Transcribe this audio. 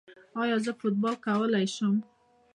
ایا زه فوټبال کولی شم؟